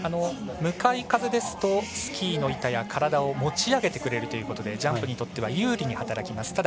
向かい風ですとスキーの板や体を持ち上げてくれるということでジャンプにとっては有利に働きます。